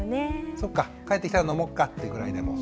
そっか帰ってきたら飲もっかっていうぐらいでも。